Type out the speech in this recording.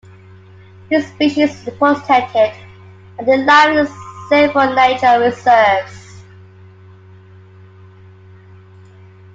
This species is protected and it lives in several nature reserves.